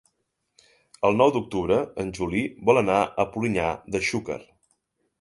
El nou d'octubre en Juli vol anar a Polinyà de Xúquer.